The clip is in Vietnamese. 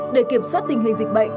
để kiểm soát tình hình dịch bệnh